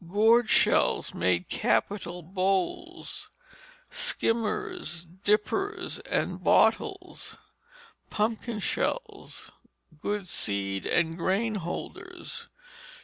Gourd shells made capital bowls, skimmers, dippers, and bottles; pumpkin shells, good seed and grain holders.